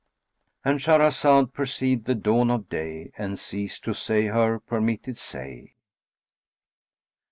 "—And Shahrazad perceived the dawn of day and ceased to say her permitted say.